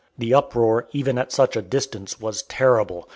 The uproar, even at such a distance, was terrible.